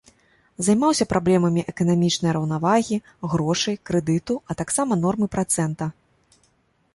Займаўся праблемамі эканамічнай раўнавагі, грошай, крэдыту, а таксама нормы працэнта.